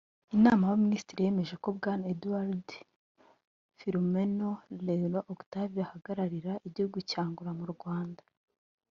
Inama y’Abaminisitiri yemeje ko Bwana Eduardo Filomeno Leiro Octávio ahagararira igihugu cya Angola mu Rwanda